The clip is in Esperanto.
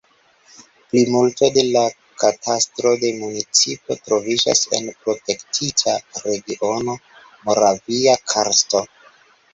Plimulto de la katastro de municipo troviĝas en protektita regiono Moravia karsto.